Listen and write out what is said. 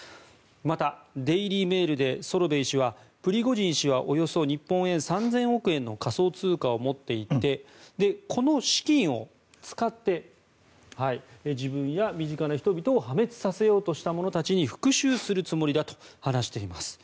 また、デイリー・メールでソロベイ氏はプリゴジン氏はおよそ日本円３０００億円の仮想通貨を持っていてこの資金を使って自分や身近な人々を破滅させようとした者たちに復しゅうするつもりだと話しています。